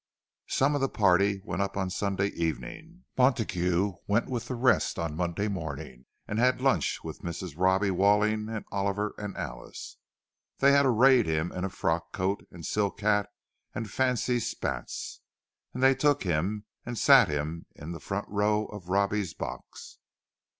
Some of the party went up on Sunday evening; Montague went with the rest on Monday morning, and had lunch with Mrs. Robbie Walling and Oliver and Alice. They had arrayed him in a frock coat and silk hat and fancy "spats"; and they took him and sat him in the front row of Robbie's box.